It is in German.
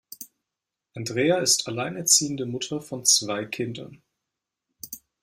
Andrea ist alleinerziehende Mutter von zwei Kindern.